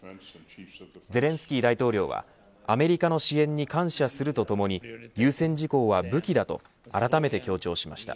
ゼレンスキー大統領はアメリカの支援に感謝するとともに優先事項は武器だとあらためて強調しました。